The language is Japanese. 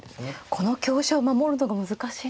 この香車を守るのが難しいですね。